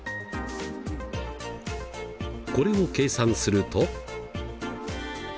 これを計算すると。